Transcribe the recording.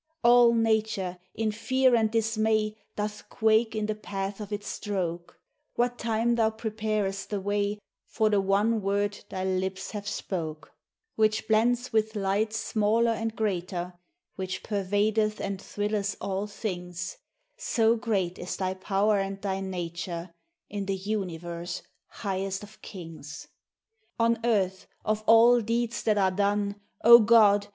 All nature, in fear and dismay, doth quake in the path of its stroke, What time thou preparest the way for the one Word thy lips have spoke, Which blends with lights smaller and greater, which pervadeth and thrilleth all things, 8 THE HIGHER LIFE. So great is thy power and thy nature — in the Uni verse Highest of Kings! On earth, of all deeds that are done, O God!